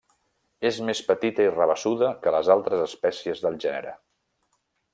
És més petita i rabassuda que les altres espècies del gènere.